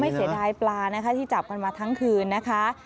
เสียดายปลานะคะที่จับกันมาทั้งคืนนะคะ